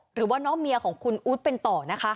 หรือว่าน้องเมียของคุณอู๊ดเป็นต่อนะคะ